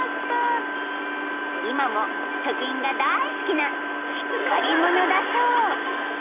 ［今も貯金が大好きなしっかり者だそう］